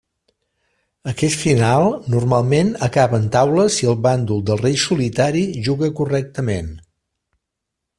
Aquest final normalment acaba en taules si el bàndol del rei solitari juga correctament.